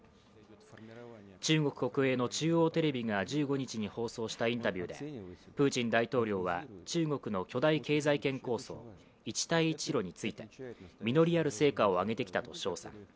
中国国営の中央テレビが１５日放送したインタビューでプーチン大統領は中国の巨大経済圏構想一帯一路について、実りある成果を上げてきたと称賛。